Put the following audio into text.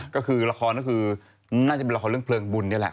ก็คือละครก็คือน่าจะเป็นละครเรื่องเพลิงบุญนี่แหละ